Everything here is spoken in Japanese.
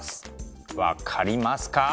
分かりますか？